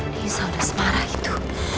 nisa udah semarah itu